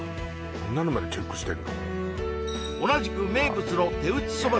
こんなのまでチェックしてんの？